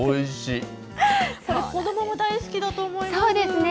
これ、子どもも大好きだと思そうですね。